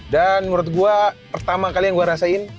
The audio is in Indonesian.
dan menurut gue pertama kali yang gue rasain